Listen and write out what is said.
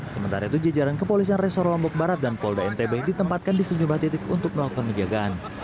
sementara itu jajaran kepolisian resor lombok barat dan polda ntb ditempatkan di sejumlah titik untuk melakukan penjagaan